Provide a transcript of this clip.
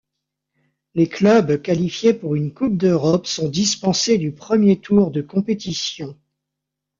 Les clubs qualifiés pour une coupe d'Europe sont dispensés du premier tour de compétition.